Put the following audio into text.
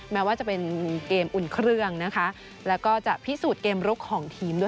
แม้ว่าจะเป็นเกมอุ่นเครื่องนะคะแล้วก็จะพิสูจน์เกมลุกของทีมด้วย